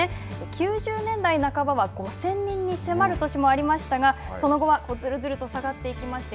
９０年代半ばは５０００人に迫る年もありましたが、その後はずるずると下がっていきまして、